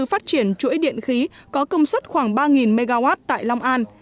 phát triển chuỗi điện khí có công suất khoảng ba mw tại long an